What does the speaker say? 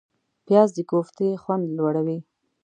پیاز د کوفتې خوند لوړوي